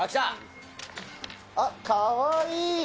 あっ、かわいい。